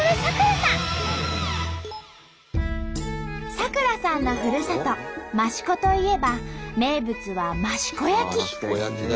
咲楽さんのふるさと益子といえば名物は益子焼！